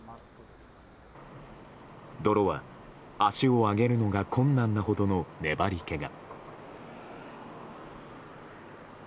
泥は足を上げるのが困難なほどの粘り気が。